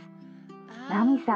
奈美さん